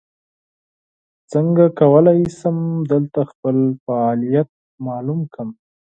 څنګه کولی شم دلته خپل فعالیت معلوم کړم ؟